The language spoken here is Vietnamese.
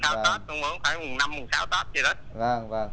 không phải mùng năm mùng sáu tết gì đấy